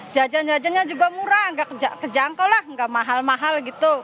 jajan jajannya juga murah nggak kejangkau lah nggak mahal mahal gitu